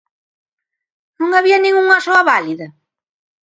¿Non había nin unha soa válida?